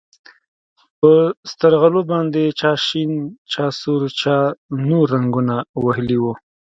په سترغلو باندې چا شين چا سور چا نور رنګونه وهلي وو.